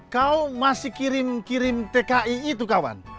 kau masih kirim kirim tki itu kawan